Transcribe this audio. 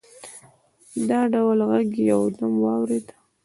د ډول غږ یو دم ودرېد.